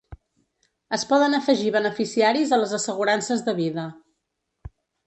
Es poden afegir beneficiaris a les assegurances de vida.